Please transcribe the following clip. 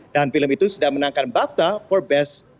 dan film itu sudah menangkan bafta for best